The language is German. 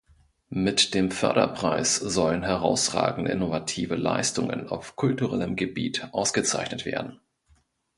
Mit dem Förderpreis sollen herausragende innovative Leistungen auf kulturellem Gebiet ausgezeichnet werden.